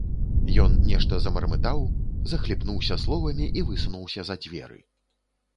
Ён нешта замармытаў, захліпнуўся словамі і высунуўся за дзверы.